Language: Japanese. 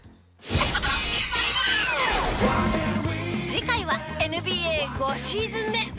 次回はＮＢＡ５シーズン目。